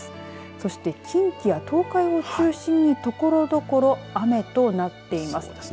そして、近畿や東海を中心にところどころ雨となっています。